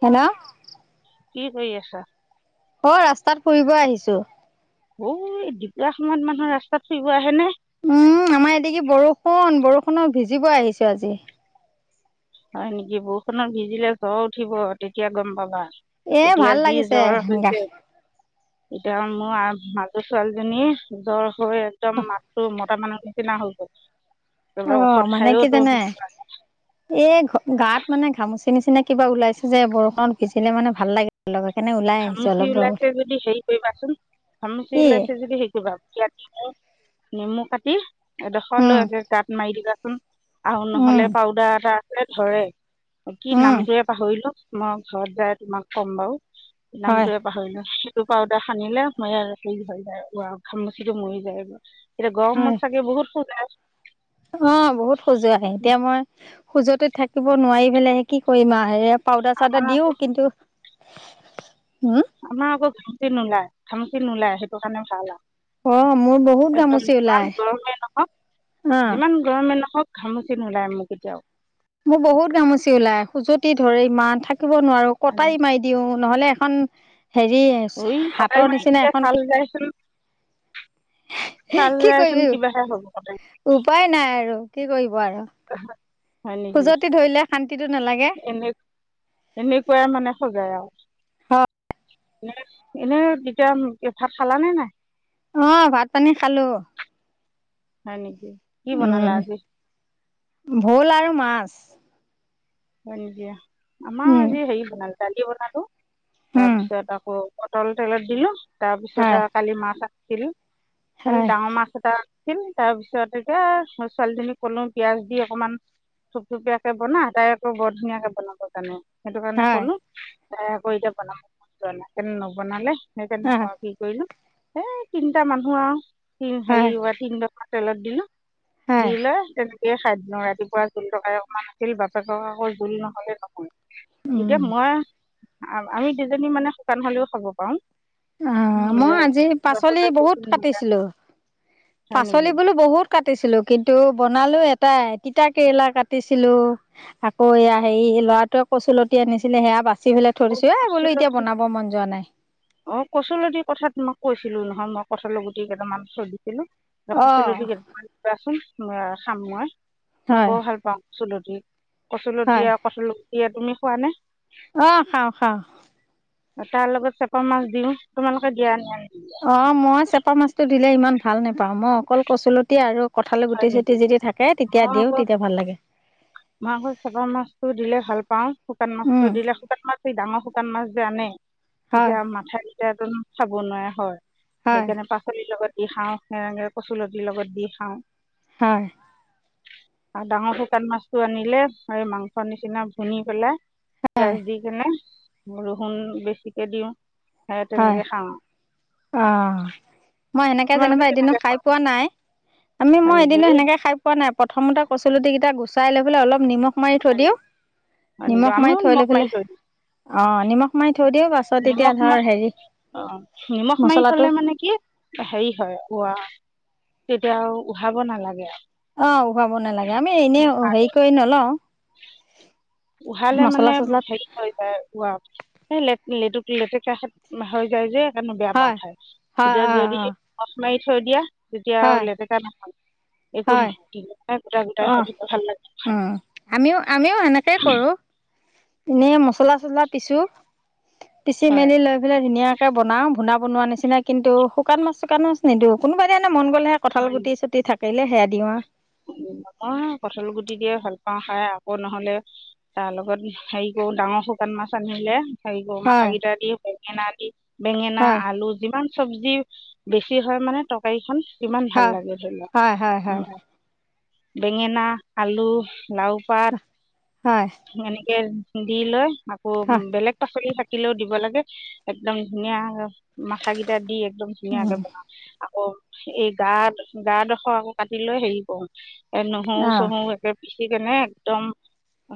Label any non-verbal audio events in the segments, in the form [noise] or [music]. Hello hello কি কৰি আছা? অ ৰাস্তাত ফুৰিব আহিছো। দূপৰিয়া সময়ত মানুহ ৰাস্তাত ফুৰিব আহে নে। উম আমাৰ এতে কি বৰষুণ বৰষুণৰ, ভিজিব আহিছো আজি। হয় নেকি বৰষুণত, ভিজিলে জ্বৰ উঠিব তেতিয়া গম পাবা। এ এতিয়া ভাল যি লাগিছে জ্বৰ গা হৈছে। এতিয়া মোৰ মাজো ছোৱালীজনী। জৰ, হৈ একদম মাতটো মতা মানুহৰ নিচিনা হৈ গ'ল। [unintelligible] ঔষধ, খায়ো তো এ গাত, মানে ঘামুচি, নিচিনা কিবা ওলাইছে যে বৰষুণত ভিজিলে মানে ভাল লাগে। লগৰ কেনে ওলাই- আহিছো ঘামুচি অলপ উলাইছে যদি হেৰি কৰিবাচোন ঘমুচি কি উলাইছেে যদি হেৰি কৰিবা। ইয়াত কৈ নেমু, কাটি উম এডোখৰলৈ গাত, মাৰি দিবাচোন। আৰু উম নহলে পাউদাৰ, এটা আছে ধৰে কি উম নামটোৱে পাহৰিলো। মই ঘৰত যাই তোমাক ক'ম বাৰু হয় নামটোৱে পাহৰিলো সেইটো পাউদাৰ, সানিলে মৰে আৰু হেৰি হৈ যায় ঘামুচিটো, মৰি যায়গৈ। এতিয়া হয় গৰমত, ছাগে বহুত খজোৱোই। অ বহুত সুজুৱাই এতিয়া মই সুজতিত থাকিব নোৱাৰি পেলাইহে কি কৰিম আৰু এয়া পাউদাৰ আমাৰ -চাউদাৰ আকৌ দিও কিন্তু হুম। আমাৰ আকৌ ঘামচি নোলায় ঘামচি নোলায় সেইটো কাৰণে ভাল আৰু অ মোৰ বহুত একদম ঘামুচি যিমান ওলাই গৰমে নহওঁক অ যিমান গৰমে নহওক ঘামুচি, নোলাই মোৰ কেতিয়াও। মোৰ বহুত ঘামুচি, ওলাই সুজতি ধৰে ইমান থাকিব নোৱাৰো কটাৰী, মাৰি দিওঁ দিও নহলে এখন হেৰি ঐ হাতৰ কটাৰী, মাৰি নিচিনা দিলে এখন চাল যাইচোন চাল কি যাইচোন কৰিবি কিবাহে হ'ব কটে উপায় নাই আৰু কি কৰিব আৰু [unintelligible] নেকি খুজতি ধৰিলে শান্তিটো নালাগে। এনে এনেকুৱাই মানে সজায় আৰু। হয় এনে এনেই তেতিয়া ভাত খালা নে নাই? অ', ভাত-পানী খালো। হয়, নেকি? কি বনালা উম, আজি ভোল আৰু মাছ। হয়, নেকি আমাৰ উম আজি হেৰি বনালো। দালি বনালো উম তাৰপিছত আকৌ পটল তেলত দিলো, তাৰপিছতে হয় আ কালিৰ মাছ আছিল, কালি হয় ডাঙৰ মাছ এটা আছিল তাৰ পিছত এতিয়া ছোৱালীজনীক ক'লো পিয়াজ দি অকমান থুপথুপিয়াকে বনা তাই আকৌ বৰ ধুনীয়াকে বনাব জানে সেইটো কাৰণে, হয় ক'লো তাইৰ আকৌ এতিয়া বনাব মন যোৱা নাই, সেইকাৰণে নবনালে সেইকাৰণে হয় মই কি কৰিলো। এই তিনিটা মানুহ আৰু হয় হেৰি উৱা তিনি ডোখৰ তেলত দিলো। দি হয় লৈ তেনেকেয়ে খাই দিলো, ৰাতিপুৱা জোল তৰকাৰি অকণমান আছিল, বাপেক কক আকৌ জোল নহলে নহয়, উম এতিয়া মই আ-আমি দুজনী মানে শুকান হ'লেও খাব পাৰো। অ', মই আজি পাচলি বহুত কাটিছিলো। পাচলি নেকি বোলো বহুত কাটিছিলো, কিন্তু বনালো এটাই তিতা কেৰেলা কাটিছিলো। আকৌ এয়া হেৰি ল'ৰাটোৱে কচুলতি আনিছিলে সেয়া বাচ বাছি পেলাই থৈ অঁ দিছো এই বোলো এতিয়া কচুলতি বনাব মন যোৱা নাই। অ কচুলতি কথা তোমাক কৈছিলো নহয় মই, কঠালৰ গুতি কেইটামান থৈ দিছিলো অ কচুলতি কে মান দিবাচোন খাম মই, মই হয় বৰ ভাল পাওঁ কচুলতি, হয় কচুলতিয়ে কঁঠালৰ গুটিয়ে তুমি খোৱা নে? অ', খাও খাওঁ। তাৰ লগত চেপা মাছ দিও, তোমালোকে দিয়া না নিদিয়া? অ', মই চেপা মাছটো দিলে ইমান ভাল নেপাওঁ, মই অকল কচুলতি আৰু কঁঠালি হয় গুটি-চুটি নেকি যদি থাকে তেতিয়া মই দিওঁ আকৌ তেতিয়া ভাল লাগে। মই আকৌ চেপা মাছটো দিলে ভাল পাও। শুকান মাছটো উম দিলে শুকান মাছ সেই ডাঙৰ শুকান মাছ যে, আনে হয় তেতিয়া মাথা কেইটাতো খাব নোৱাৰে হয়। হয় সেইকাৰণে পাচলিৰ লগত দি খাওঁ। হেনেকে কচুলতিৰ লগত দি খাওঁ। হয়। আৰু ডাঙৰ শুকান মাছটো আনিলে এই মাংস নিচিনা ভুনি পেলাই হয় পিয়াজ দি কেনে ৰহুন বেছিকে দিওঁ, হে হয় তেনেকে খাওঁ। অ', মই সেনেকে যেনিবা তোমালোকে এদিনো কেনেকৈ খাই খোৱা পোৱা নাই, আমি হয় মই নেকি এদিনো সেনেকে খাই পোৱা নাই, প্ৰথমতে কচুলতি কেইটা গুচাই লৈ পেলাই অলপ নিমখ মাৰি থৈ এই দিও, হয় নেকি নিমখ মাৰি আমিও থৈ লৈ নিমখ মাৰি পেলাই। দিওঁ অ', নিমখ মাৰি থৈ দিওঁও পাছত এতিয়া ধৰ হেৰি অ', নিমখ মাৰি মছলাটো থলে মানে কি হেৰি হয়, উৱ তেতিয়া আৰু উহাব নালাগে আৰু। অ', উহাব নালাগে আমি এনেই হেৰি কৰি নলও। উহালে মানে চছলা হেৰি হয়। লে লেটু লেতেকাষ হৈ যায় যে। সেইকাৰণে বেয়া হয় পাওঁ খায়, হয় এতিয়া অঁ যদি অঁ মছ মাৰি থৈ দিয়া তেতিয়া হয় আৰু লেতেকা নহয়। একো হয় নহয় [unintelligible] গোটা গোটাই অঁ হৈ থাকে ভাল লাগে খাই। আমিও আমিও সেনেকেই কৰো। এনে মছলা চছলা পিছো, পিছি হয় মেলি লৈ। ধুনীয়াকে বনাওঁ ভুনা বনোৱা নিচিনা, কিন্তু শুকান মাছ, চোকান মাছ নিদো, কোনোবা দিনা মন গ'লেহে। কঁঠাল গুটি চুটি থাকিলে সেয়া দিওঁ আও। নহয়, কঁঠাল গুটি দিয়ে ভাল পাওঁ খাই আকৌ নহ'লে। তাৰ লগত হেৰি কৰো, ডাঙৰ শুকান মাছ আনিলে। হেৰি কৰোঁ, মাথা হয় কিটা দি, বেঙেনা দি, বেঙেনা, হয় আলু যিমান চবজি বেছি হয় মানে, তৰকাৰীখন কিমান ভাল হয় লাগে ধৰি হয় হয় হয় লোৱা। বেঙেনা, আলু, লাও পাত। হয় এনেকে দি লৈ আকৌ হয় বেলেগ শাক পাচলি থাকিলেও দিব লাগে, একদম ধুনীয়া মাথা কিটা দি একদম ধুনীয়াকে বনাওঁ। আকৌ, এই গা গাডোখৰ আকৌ কাটি লৈ হেৰি কৰো। এ নহৰু অঁ চহৰো একে পিচি কেনে একদম।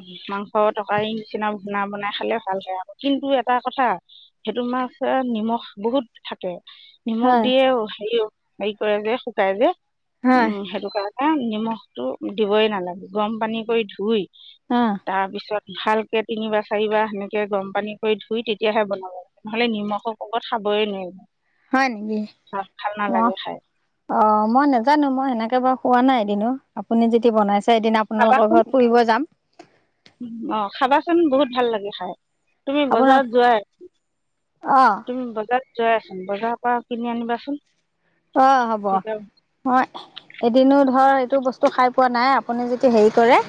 মাংস তটকাৰী নিচিনা ঘুণা বনাই খালে ভাল হয় আক, কিন্তু এটা কথা। সেইটো মাছত নিমখ বহুত থাকে। নিমখ হয় দিয়েও হেৰি হেৰি কৰে যে, শুকাই যে হয় উম সেইটো কাৰণে। এ নিমখটো দিবই নালাগে, গৰম পানী কৰি ধুই। আ। তাৰ পিছত ভালকে তিনিবাৰ, চাৰিবাৰ সেনেকে গৰম পানী কৰি ধুই, তেতিয়াহে বনাব লাগে। নহ'লে নিমখৰ কোবত খাবই নোৱাৰিম। হয় নেকি, অ। খাই অ মই নোজানো মই সেনেকে বাৰু খোৱা নাই এদিনো। আপুনি যদি বনাইছে এদিন আপোনালোকৰ ঘৰত। ফুৰিব যাম। অ খাবাচোন বহুত ভাল লাগে খায়। তুমি আপোনাৰ বজাৰত যোৱাই, অঁ তুমি বজাৰত যোৱাই চোন, বজাৰৰ পা কিনি আনিবাচোন। অ হ'ব, তেতিয়া মই এদিনো ধৰ এইটো বস্তু খাই পোৱা নাই। আপুনি যদি হেৰি কৰে,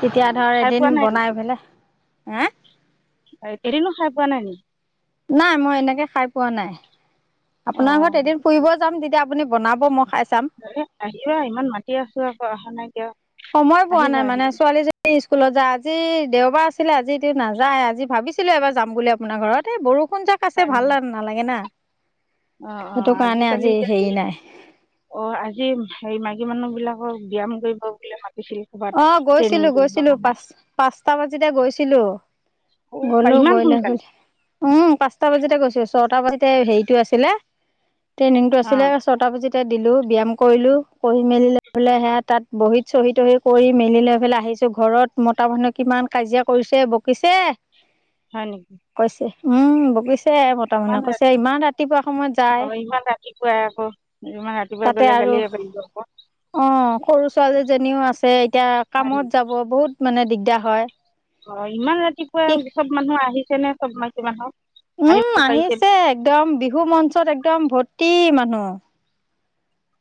তেতিয়া অঁ ধৰ খাই পোৱা এদিন নাই নেকি বনাই পিনে। হে? এদিনো খাই পোৱা নাই নি? নাই মই এনেকে খাই পোৱা নাই। আপোনাৰ অঁ ঘৰত এদিন ফুৰিব যাম, তেতিয়া আপুনি বনাব মই খাই চাম। আহিবা, ইমান মাতি আছো আকৌ অহা নাই কিয়। সময় পোৱা আহিবা নাই মানে এদিন ছোৱালীজনী। এই স্কুলত যা আজি দেওবাৰ আছিলে আজি এইটো নাযায়, আজি ভাবিছিলো এবাৰ যাম বুলি আপোনাৰ ঘৰত এ বৰষুণ যাক। আছে হয় ভাল নেকি নালাগে না, অঁ অঁ সেইটো কাৰণে আজিকালি আজি এতিয়া হেৰি নাই। অ আজি হেৰি মাইকী মানুহ বিলাকক ব্যয়াম কৰিব বুলে মাতিছিল। ক'ৰবাত অ ট্ৰেইনিং গৈছিলো, কৰিবৰ গৈছিলো কাৰণে পাঁচ পাঁচটা বাজিতে গৈছিলো। অ বা গলোঁ, ইমান গৈ সোনকালে উম 'পাঁচটা বজাতে গৈছো, ছটা বজাতে হেৰিটো আছিলে ট্ৰেইনিংটো অ আছিলে। ছটা বজাতে দিলোঁ ব্যায়াম কৰিলো, কৰি মেলি সে তাত বহীত চহি তহি কৰি মেলি লৈ পেলাই আহিছো ঘৰত মতা মানুহে কিমান কাজিয়া কৰিছে, বকিছে। অঁ। কৈছে, উম বকিছে। তাৰ মানে ইমান কৈছে ৰাতি ইমান ৰাতিপুৱা সময়ত অ যায়, ইমান ৰাতিপুৱাই আকৌ ইমান ৰাতিপুৱা তাতে গ'লে আৰু গালিয়ে পাৰিব আকৌ অ সৰু ছোৱালীজনীও আছে, এতিয়া হয় নেকি কামত যাব বহুত মানে দিগদাৰ হয়। অ ইমান ৰাতিপুৱা কি চব মানুহ আহিছে নে চব মাইকি মানুহ উম আহিব পাৰিছে নে? আহিছে একদম বিহু মঞ্চত একদম ভৰ্তি মানুহ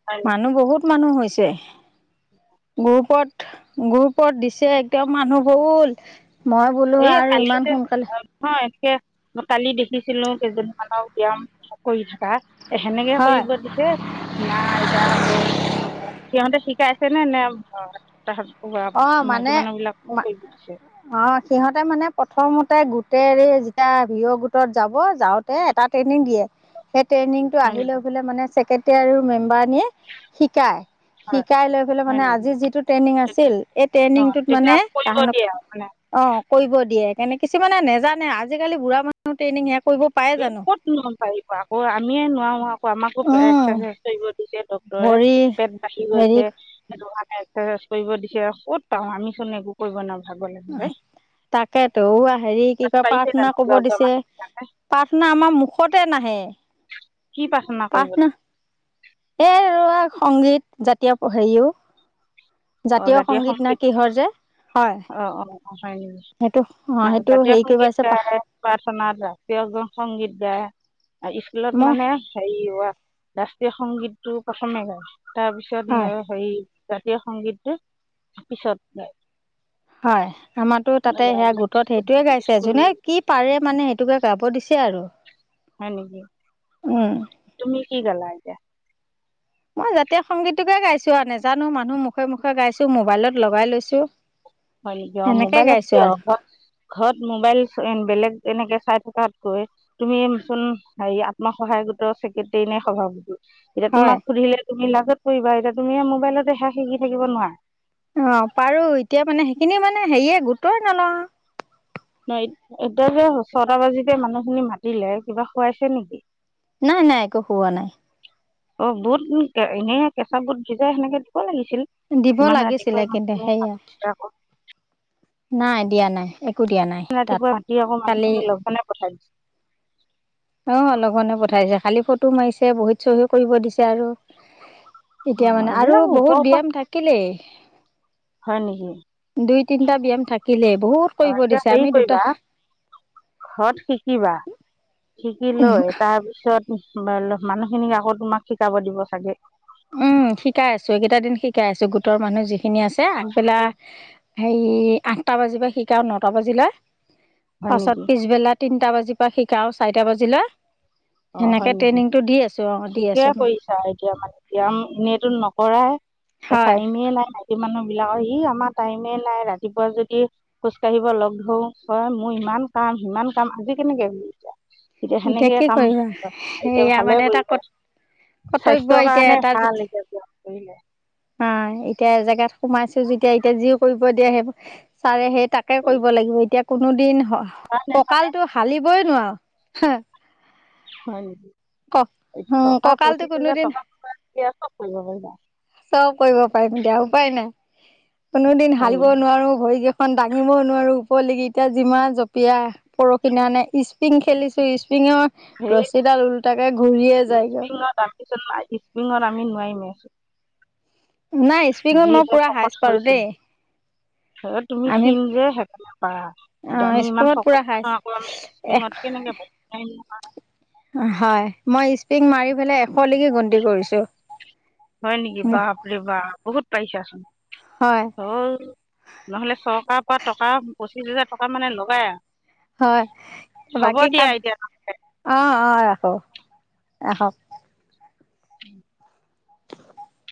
হয় নি মানুহ বহুত মানুহ হৈছে গ্ৰুপত গ্ৰপত দিছে একদম মানুহ গল মই বোলো এই আৰু কালি ইমান যে সোনকালে অ এনেকে মই কালি দেখিছিলো কেইজনমানক ব্যায়াম কৰি থকা সেনেকে হয় কৰিব দিছে নাই এতিয়া আকৌ সিহঁতে শিকাইছেনে নে অ [unintelligible] মানে মাইকী মানুহ বিলাককো কৰিব দিছে অ সিহঁতে মানে প্ৰথমতে গোটেইৰে যেতিয়া ভিঅ গোটত যাব যাওঁতে এটা ট্ৰেইনিং দিয়ে সেই ট্ৰেইনিংটো হয় আহিলে নেকি বোলে মানে চেক্ৰেটাৰী আৰু মেম্বাৰনিয়ে শিকাই হয় শিকাই লৈ পেলাই হয় মানে নেকি আজি যিটো ট্ৰেইনিং আছিল এই অ ট্ৰেইনিংটোত তেতিয়া মানে কৰিব তাহা দিয়ে আৰু মানে অ কৰিব দিয়ে কেনে কিছুমানে নেজানে আজিকালি বুঢ়া মানুহ ট্ৰেইনিং সেয়া কৰিব পাৰে জানো কতনো পাৰিব আকৌ আমিয়ে নোৱাৰো আও আমাকো উম এক্সাৰচাইজ কৰিব দিছে ডক্তৰে ভৰি পেট বাঢ়ি হেৰি গৈছে সেটোকাণে একচেচাইজ কৰিব দিছে ক'ত পাওঁ আমি চোন একো কৰিব নোৱাৰো ভাগৰ লাগি যাই তাকেটো হেৰি কি কয় প্ৰাৰ্থনা জানো কইব বুঢ়া বুঢ়া দিছে মানুহ বিলাকে পাৰ্থ থনা আমাৰ মুখতে নাহে কি প্ৰাৰ্থনা কৰিবলে এ ৰ সংগীত জাতীয় হেৰিও জাতীয় সংগীত না কিহৰ যে হয় অ অ অ হয় নিকি সেইটো অঁ না সেইটো জাতীয় হেৰি কৰিব সংগীত আছে পা গাই প্ৰাৰ্থনাত ৰাষ্ট্ৰীয় সংগীত গায় স্কুলত মোৰ মানে হেৰি অ আ ৰাষ্ট্ৰীয় সংগীতটো প্ৰথমে গায় তাৰপিছত হয় হেৰি জাতীয় সংগীত তাপিছত হয় আমাৰতো তাতে সেয়া গোটত সেইটোয়ে গাইছে স্কুল যোনে কিপ পাৰে মানে সেইটোকে গাব দিছে আৰু হয় নিকি উম তুমি কি গালা এতিয়া মই জাতীয় সংগীতোকে গাইছো আৰু নাজানো মানুহ মুখে মুখে গাইছো মোবাইলত লগাই লৈছো হয় নিকি অ মোবাইল কিয় ঘৰত মোবাইল বেলেগ এনেকে চাই থকাতকৈ তুমি চোন হেৰি আত্মসহায়ক গোটৰ চেক্ৰেটাৰী নে সভাপতি এতিয়া হয় তোমাক সুধিলে তুমি লাজত পৰিবা এতিয়া তুমি এয়া মোবাইলতে সেয়া শিকি থাকিব নোৱাৰা অ পাৰো এতিয়া মানে সেইখিনি মানে হেৰিয়ে গুৰুত্বই নলওঁ ন এত এতিয়া যে ছটা বাজিতে মানুহ খিনি মাতিলে কিবা খুৱাইছে নিকি? নাই নাই একো খোৱা নাই অ বুট এনে কেঁচা বুট ভিজাই সেনেকে দিব লাগিছিল দিব ইমান লাগিছিলে কিন্তু সেয়া ৰাতিপুৱাই [unintelligible] নাই দিয়া নাই এক ইমান ৰাতিপুৱাই মাতি আক মানুহখিনি লঘণে পঠাই দিছে অ লঘনে পঠাইছে খালি ফটো মাৰিছে বহীত চহী কৰিব দিছে আৰু অ এতিয়া মানে আৰু এইবিলাক ওপৰৰ বহুত পৰা ব্যায়াম থাকিলেই হয় নিকি দুই তিনটা ব্যায়াম থাকিলেই বহুত অ', কৰিব এতিয়া দিছে হেৰি আমি দুটা কৰিবা, ঘৰত শিকিবা শিকি লৈ। তাৰ পিছত মানুহ খিনিক আকৌ তোমাক শিকাব দিব চাগে। উম', শিকাই আছো এইকেইটা দিন শিকাই আছো, গোটৰ মানুহ যিখিনি আছে আগবেলা। হাৰি আঠটা বাজিৱ শিকাও নটা বাজিলে, হয় পাছত নেকি পিছবেলাত। তিনিটা বাজিপা পৰা শিকাও চাৰিটা বাজিলে। অ হয় সেনেকে নেকি ট্ৰেইনিংটো দি আছো অ' দি ঠিকে আছো মই। [unintelligible] এনেইতো নকৰাই হয় টাইমে নাই টাইমে নাই। [unintelligible] মানুহ বিলাকৰ ই আমাৰ টাইমে নাই ৰাতিপুৱা যদি। খোজ কাঢ়িব লগ ধৰো কয়, মোৰ ইমান কাম সিমান কাম আজি কেনেকে ঘূৰিচা? এতিয়া সেনেকে কি কাম কৰিবা এতিয়া সেয়া ভালে মানে এটা কৰি যায়, কৰ্তব্য স্বাস্থ্যৰ এতিয়া কাৰণে ভাল। [unintelligible] নাই, এতিয়া এজেগাত সোমাইছো যেতিয়া এতিয়া, যি কৰিব দিয়া সেইবোৰ চাৰে হেড তাকে কৰিব লাগিব। এতিয়া কোনো দিন কাৰণে কঁকালটো হালিবই নোৱাৱ। হয়', নেকি এইটো টকা কঁকালটো পঁচিছ হাজাৰ কোনোদিন টকা সোমাব যেতিয়া চ'ব কৰিব পাৰিবা। চ'ব কৰিব পাৰিম দিয়া উপায় নাই, কোনো দিন হালিব নেকি নোৱাৰো ভৰিকেইখন দাঙিবও নোৱাৰো ওপৰলকি এতিয়া যিমান জপিয়া। পৰখি দিনাখনে ইস্পিং খেলিছো ইস্প্ৰিঙৰ সেই ৰছীডাল ওলোটাকে ঘূৰিয়ে যায়গ। পিছত ইস্পিঙত আমি নোৱাৰিমে। নাই ইস্পিঙত মই যিহে পুৰা হাইজ পাৰো দেই। হে তুমি আমি ক্ষীন যে সেইকাৰণে পাৰা, অ এতিয়া আমি ইমান স্প্ৰিঙত পুৰা শকত হাইচ মানুহ আকৌ আমি এশ স্পিংঙত কেনেকে পাৰিম নোৱাৰিম নহয়। হয়', মই ইস্পিং মাৰি পেলাই এশলৈকি গন্তি কৰিছো। হয়', নেকি বাপৰে বাপ বহুত পাইছাচোন হয় অ',। নহ'লে চৰকাৰ পৰা টকা পঁচিশ হাজাৰ টকা মানে লবাই আ। হয়', বাকী কাম এতিয়া অৱ, অৱ, ৰাখো ৰাখক। [unintelligible] [unintelligible]